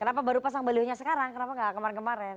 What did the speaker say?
kenapa baru pasang balihonya sekarang kenapa nggak kemarin kemarin